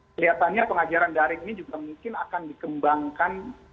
kelihatannya pengajaran daring ini juga mungkin akan dikembangkan